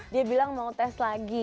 dia bilang mau tes lagi